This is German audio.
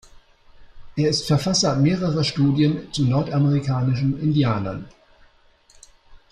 Er ist Verfasser mehrerer Studien zu nordamerikanischen Indianern.